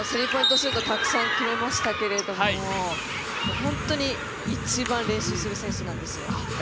シュートたくさん決めましたけど本当に一番練習する選手なんですよ。